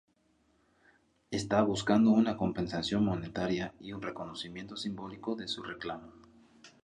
Está buscando una compensación monetaria y un reconocimiento simbólico de su reclamo.